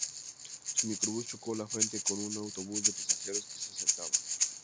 Su microbús chocó de frente con un autobús de pasajeros que se acercaba.